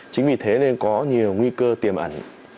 chính vì thế nên có nhiều nguy cơ tiềm ẩn